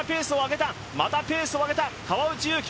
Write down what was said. またペースを上げた、川内優輝。